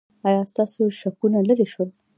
ایا ستاسو شکونه لرې شول؟